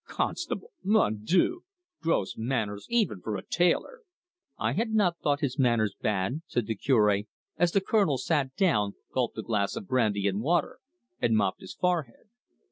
Constable mon Dieu! Gross manners even for a tailor!" "I had not thought his manners bad," said the Cure, as the Colonel sat down, gulped a glass of brandy and water, and mopped his forehead.